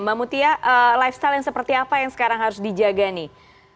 mbak mutia lifestyle yang seperti apa yang sekarang harus dijaga nih